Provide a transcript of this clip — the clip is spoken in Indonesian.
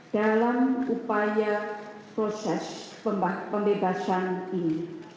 dalam upaya proses pembebasan ini